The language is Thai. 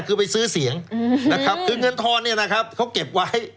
คือไปซื้อเสียงนะครับคือเงินทอนเนี่ยนะครับเขาเก็บไว้